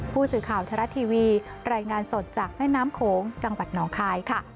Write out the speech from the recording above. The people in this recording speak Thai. ผู้สื่อข่าวไทยรัฐทีวีรายงานสดจากแม่น้ำโขงจังหวัดหนองคายค่ะ